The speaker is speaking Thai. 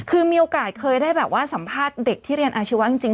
คือมีโอกาสเคยได้แบบว่าสัมภาษณ์เด็กที่เรียนอาชีวะจริง